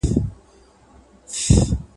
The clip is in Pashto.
ده له علماوو سره ناستې کولې.